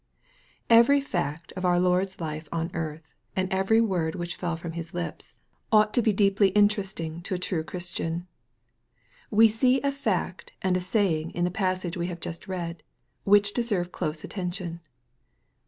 EVERY fact in our Lord's life on earth, and every word which fell from His lips, ought to be deeply interesting MARK, CHAP. v . 17 to a true Christian. We see a fact and a saying in the passage we have just read, which deserve close atten tion.